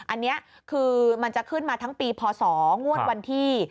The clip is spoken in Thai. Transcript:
อันนี้คือมันจะขึ้นมาทั้งปีพศงวดวันที่